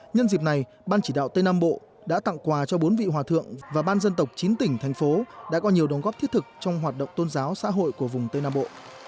nhân dịp này ban chỉ đạo tây nam bộ đã tặng quà cho bốn vị hòa thượng và ban dân tộc chín tỉnh thành phố đã có nhiều đóng góp thiết thực trong hoạt động tôn giáo xã hội của vùng tây nam bộ